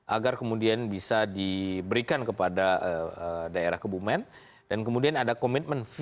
agar kemudian bisa diberikan kepada daerah kebumen